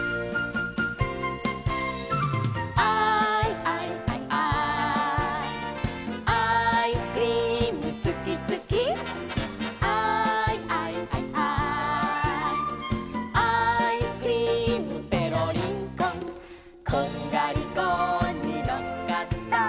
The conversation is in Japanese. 「アイアイアイアイ」「アイスクリームすきすき」「アイアイアイアイ」「アイスクリームペロリンコン」「こんがりコーンにのっかった」